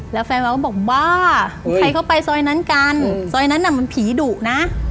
แล้วแฟนวาก็บอกว่าใครเข้าไปซอยนั้นกันซอยนั้นน่ะมันผีดุนะ